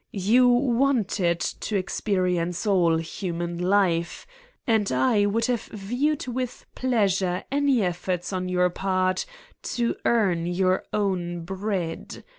You wanted to experience all human life and I would have viewed with pleasure any efforts on your part to earn your own bread.